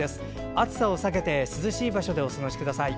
暑さを避けて涼しい場所でお過ごしください。